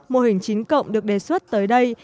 mô hình chín cộng được đề xuất tới đây